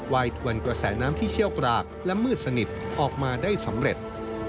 ยถวนกระแสน้ำที่เชี่ยวกรากและมืดสนิทออกมาได้สำเร็จ